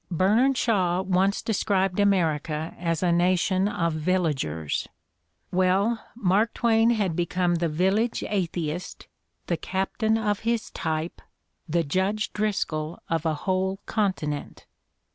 \ Bernard Shaw once described America as a nation of jvillagers. Well, Mark Twain had become the Village Atheist, the captain of his type, the Judge Driscoll of a whole continent.